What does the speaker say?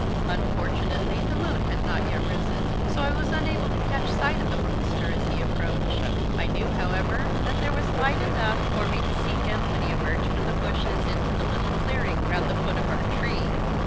Unfortunately the moon had not yet risen, so I was unable to catch sight of the monster as he approached; I knew, however, that there was light enough for me to see him when he emerged from the bushes into the little clearing round the foot of our tree.